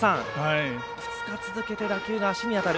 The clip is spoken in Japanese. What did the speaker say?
２日続けて打球が足に当たる。